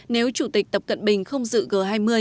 nếu chủ tịch tập cận bình không dự g hai mươi